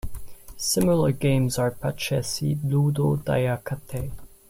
Similar games are Parcheesi, Ludo, Dayakattai.